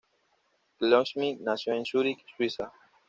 Goldschmidt nació en Zúrich, Suiza.